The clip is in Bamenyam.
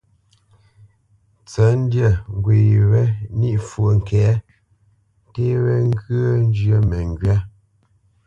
Ntsə̌ntndyâ ŋgwê wé ní fwo ŋke, nté wé ŋgyə̂ njyə́ məŋgywá.